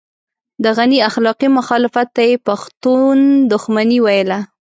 د غني اخلاقي مخالفت ته يې پښتون دښمني ويله.